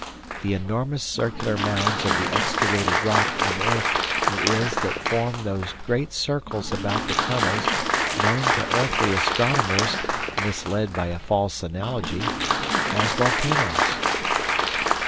The enormous circular mounds of the excavated rock and earth it is that form these great circles about the tunnels known to earthly astronomers (misled by a false analogy) as volcanoes."